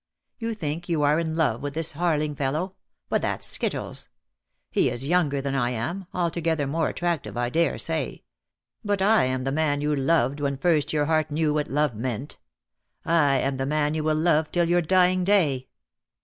You think you are in love with this Harling fellow, but that's skittles! He is younger than I am, altogether more attrac tive, I daresay; but I am the man you loved when first your heart knew what love meant. I am the man you will love till your dying day."